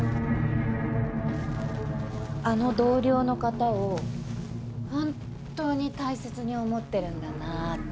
あの同僚の方を本当に大切に思ってるんだなぁって。